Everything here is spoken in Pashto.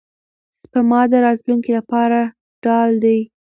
سپما د راتلونکي لپاره ډال دی.